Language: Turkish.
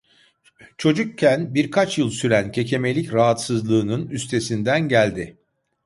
Çocukken birkaç yıl süren kekemelik rahatsızlığının üstesinden geldi.